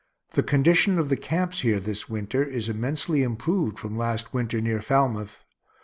The condition of the camps here this winter is immensely improved from last winter near Falmouth.